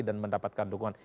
dan mendapatkan dukungan